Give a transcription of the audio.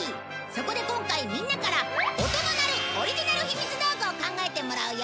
そこで今回みんなから音のなるオリジナルひみつ道具を考えてもらうよ！